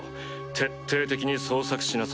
徹底的に捜索しなさい。